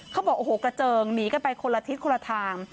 เขาบอกโอ้โหกระเจิงหนีกันไปคนละทิศคนละทาง